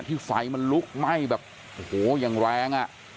ที่ไฟมันลุกไหม้แบบโอ้โหยังแรงอ่ะ